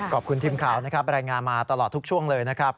ขอบคุณทีมข่าวนะครับรายงานมาตลอดทุกช่วงเลยนะครับ